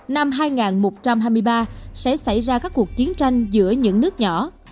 năm hai nghìn một trăm hai mươi ba sẽ xảy ra các cuộc chiến tranh giữa những nước nhỏ